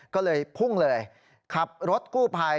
ก็เลยพุ่งเลยขับรถกู้ภัย